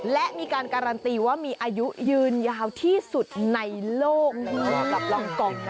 และมีการการันตีว่ามีอายุยืนยาวที่สุดในโลกเหมาะกับรองกอง